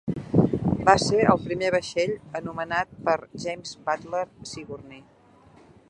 Va ser el primer vaixell anomenat per James Butler Sigourney.